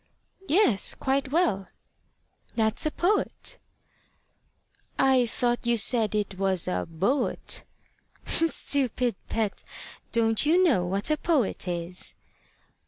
"Yes; quite well." "That's a poet." "I thought you said it was a bo at." "Stupid pet! Don't you know what a poet is?"